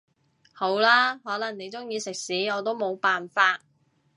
好啦，可能你鍾意食屎我都冇辦法